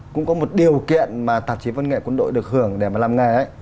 cũng có một điều kiện mà tạp chí văn nghệ quân đội được hưởng để mà làm nghề ấy